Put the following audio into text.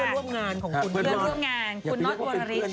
เพื่อนร่วงงานของคุณนอท